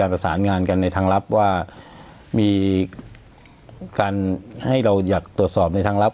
ประสานงานกันในทางลับว่ามีการให้เราอยากตรวจสอบในทางลับ